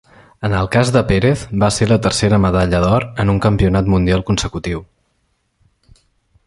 En el cas de Pérez, va ser la tercera medalla d'or en un Campionat Mundial consecutiu.